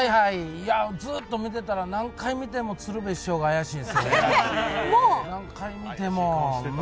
いやー、ずっと見てたら、何回見ても鶴瓶師匠が怪しいんですよね。